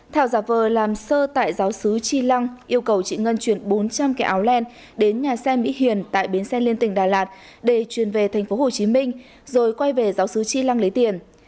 thảo giả vờ làm sơ tại giáo sứ chi lăng yêu cầu chị ngân chuyển bốn trăm linh cây áo len đến nhà xe mỹ hiền tại bến xe liên tỉnh đà lạt để truyền về tp hcm rồi quay về giáo sứ chi lăng lấy tiền